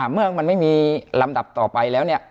เมื่อมันไม่มีลำดับต่อไปแล้ว